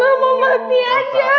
gak mau mati aja